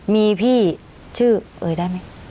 มีพี่ชื่อเอ่ยได้ไหม